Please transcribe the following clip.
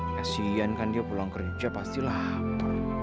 kasian kan dia pulang kerja pastilah lapar